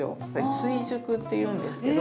「追熟」っていうんですけど。